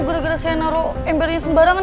gara gara saya naruh embernya sembarangan